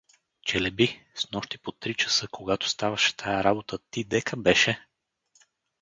— Челеби, снощи по три часа, когато ставаше тая работа, ти дека беше?